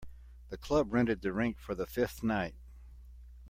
The club rented the rink for the fifth night.